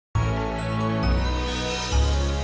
masih ada tiga bulan lagi